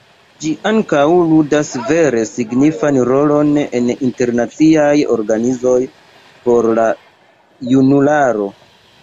Ĝi ankaŭ ludas vere signifan rolon en internaciaj organizoj por la junularo.